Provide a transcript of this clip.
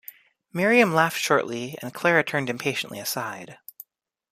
Miriam laughed shortly, and Clara turned impatiently aside.